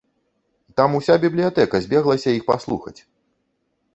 Там уся бібліятэка збеглася іх паслухаць.